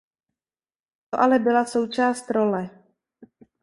To ale byla součást role.